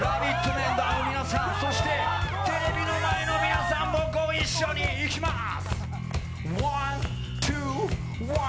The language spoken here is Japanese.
メンバーの皆さん、そしてテレビの前の皆さんもご一緒に、いきます。